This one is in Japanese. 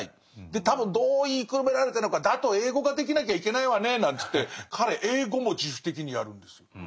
で多分どう言いくるめられたのか「だと英語ができなきゃいけないわね」なんていって彼英語も自主的にやるんですよ。